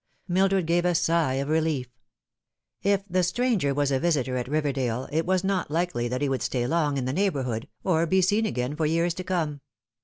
Mildred gave a sigh of relief. If the stranger was a visitor at Kiverdale it was not likely that he would stay long in the neighbourhood, or be seen again for years to come.